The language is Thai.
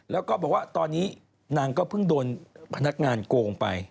แล้วก็บอกว่าตอนนี้นางก็เพิ่งโดนพนักงานโกงไป